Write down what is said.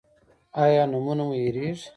ایا نومونه مو هیریږي؟